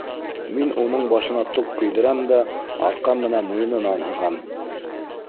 Мин уның башына тоҡ кейҙерәм дә арҡан менән муйынынан һығам.